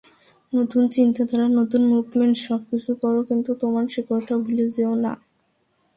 নতুন চিন্তাধারা, নতুন মুভমেন্টস, সবকিছু করো, কিন্তু তোমার শেকড়টা ভুলে যেও না।